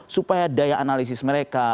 supaya daya analisis mereka